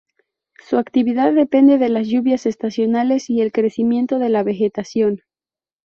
Su actividad depende de las lluvias estacionales y el crecimiento de la vegetación.